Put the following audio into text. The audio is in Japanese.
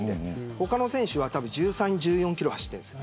他の選手は１３、１４キロ走ってます。